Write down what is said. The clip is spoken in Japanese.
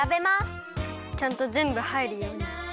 ちゃんとぜんぶはいるように。